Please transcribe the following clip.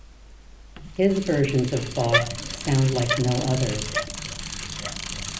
His versions of Bach sound like no others.